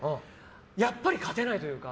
やっぱり勝てないというか